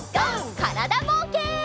からだぼうけん。